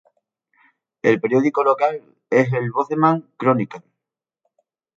El periódico local es el "Bozeman Chronicle".